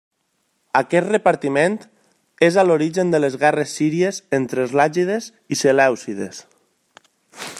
Aquest repartiment és a l'origen de les guerres síries entre els Làgides i Selèucides.